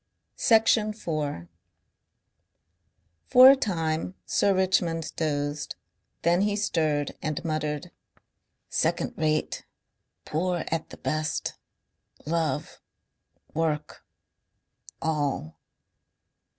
Section 4 For a time Sir Richmond dozed. Then he stirred and muttered. "Second rate... Poor at the best... Love... Work. All..."